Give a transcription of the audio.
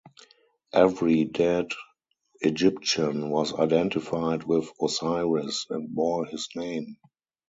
Every dead Egyptian was identified with Osiris and bore his name.